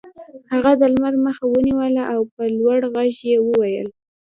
هغه د لمر مخه ونیوله او په لوړ غږ یې وویل